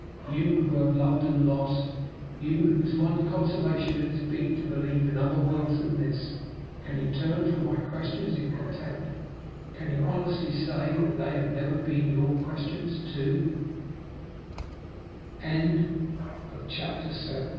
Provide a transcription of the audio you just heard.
You who have loved and lost you whose one consolation it has been to believe in other worlds than this can you turn from my questions in contempt? Can you honestly say that they have never been your questions too? CHAPTER VIII.